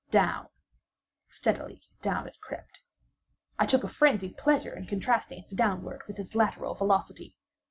Down—steadily down it crept. I took a frenzied pleasure in contrasting its downward with its lateral velocity.